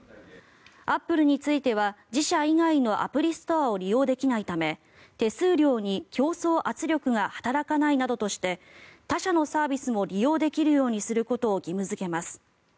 アップルについては自社以外のアプリストアを利用できないため手数料に競争圧力が働かないなどとして他社のサービスも利用できるようにすることを義務付けます。